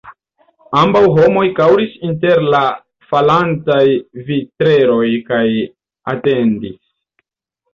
Ambaŭ homoj kaŭris inter la falantaj vitreroj kaj atendis.